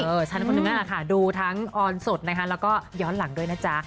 ฉันคนหนึ่งนั่นแหละค่ะดูทั้งออนสดนะคะแล้วก็ย้อนหลังด้วยนะจ๊ะ